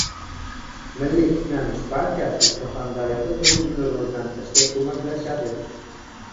Milliy tiklanish partiyasi Surxondaryoda turizmni rivojlantirishga ko‘maklashadi